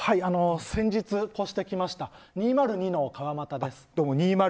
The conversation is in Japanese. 先日越してきました２０２の川俣です。